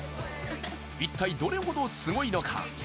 一体どれほどすごいのか？